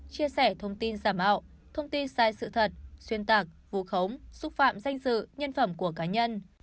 chia sẻ thông tin giảm mạo thông tin sai sự thật xuyên tạc vù khống xúc phạm danh dự nhân phẩm của cá nhân